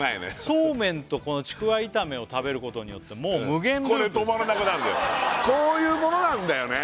そうめんとこのちくわ炒めを食べることによってもう無限ループこれ止まらなくなんのよこういうものなんだよね